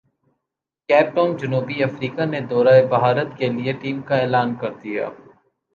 cap Town جنوبی افریقہ نے دورہ بھارت کیلئے ٹیم کا اعلان کردیا